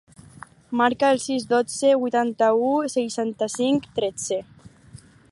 Marca el sis, dotze, vuitanta-u, seixanta-cinc, tretze.